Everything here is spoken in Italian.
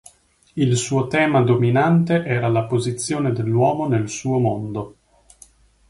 Il suo tema dominante era la posizione dell'uomo nel suo mondo.